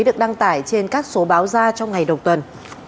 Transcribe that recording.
được đăng tải trên các số báo ra trong ngày đầu tuần